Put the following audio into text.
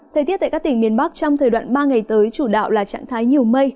thời tiết tại các tỉnh miền bắc trong thời đoạn ba ngày tới chủ đạo là trạng thái nhiều mây